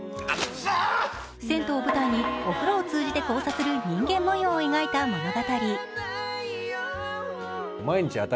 銭湯を舞台に、お風呂を通じて交差する人間模様を描いた物語。